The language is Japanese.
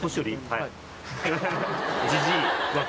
はい。